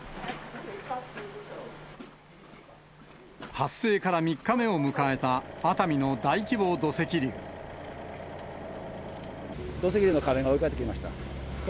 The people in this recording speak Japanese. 発生から３日目を迎えた熱海土石流の壁が追いかけてきました。